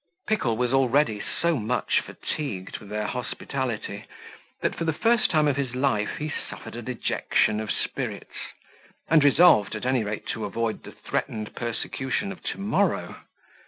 Pickle was already so much fatigued with their hospitality, that, for the first time of his life, he suffered a dejection of spirits; and resolved, at any rate, to avoid the threatened persecution of to morrow.